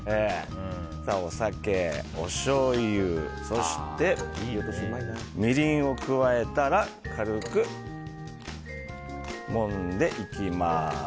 お酒、おしょうゆそして、みりんを加えたら軽くもんでいきます。